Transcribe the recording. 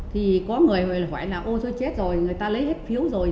thì có người hỏi là ôi chơi chết rồi người ta lấy hết phiếu rồi